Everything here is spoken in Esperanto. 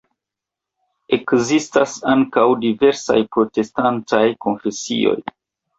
Ekzistas ankaŭ diversaj protestantaj konfesioj.